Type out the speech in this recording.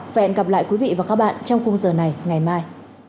và hẹn gặp lại quý vị và các bạn trong khung giờ này ngày mai